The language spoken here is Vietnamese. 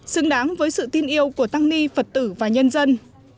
xứng đáng với sự tin yêu của tăng ni phật tử và nhân dân